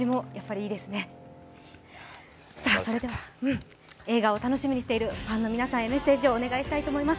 それでは映画を楽しみにしているファンの皆さんへメッセージをお願いします。